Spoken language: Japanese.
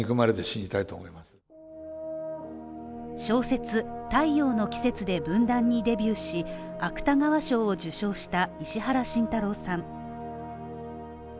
小説「太陽の季節」で文壇にデビューし芥川賞を受賞した石原慎太郎さん。